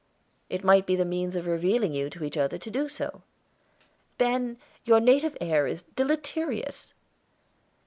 "It might be the means of revealing you to each other to do so." "Ben, your native air is deleterious."